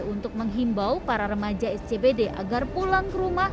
untuk menghimbau para remaja scbd agar pulang ke rumah